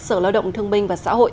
sở lao động thương minh và xã hội